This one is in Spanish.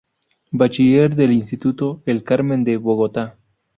Bachiller del instituto El Carmen de Bogotá.